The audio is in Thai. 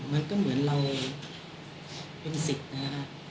มันก็เหมือนเราเป็นสิทธิ์นะฮะ